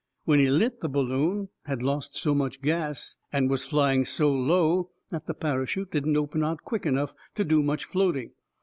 When he lit the balloon had lost so much gas and was flying so low that the parachute didn't open out quick enough to do much floating.